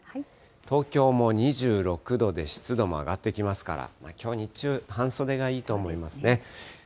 東京も２６度で、湿度も上がってきますから、きょう日中、半袖がいいと思いますね。